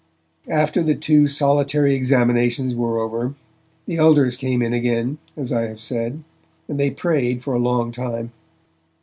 After the two solitary examinations were over, the elders came in again, as I have said, and they prayed for a long time.